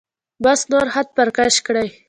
بس نور خط پر کش کړئ.